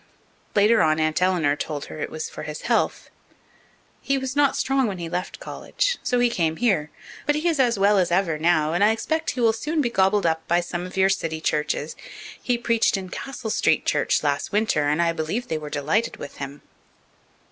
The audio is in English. Later on Aunt Eleanor told her it was for his health. "He was not strong when he left college, so he came here. But he is as well as ever now, and I expect he will soon be gobbled up by some of your city churches. He preached in Castle Street church last winter, and I believe they were delighted with him."